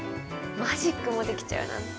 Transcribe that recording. マジックもできちゃうなんて。